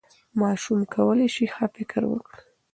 ماشوم کولی سي ښه فکر وکړي.